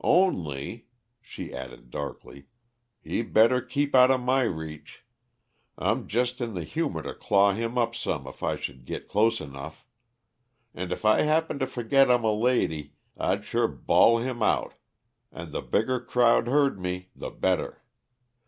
Only," she added darkly, "he better keep outa my reach; I'm jest in the humor to claw him up some if I should git close enough. And if I happened to forget I'm a lady, I'd sure bawl him out, and the bigger crowd heard me the better.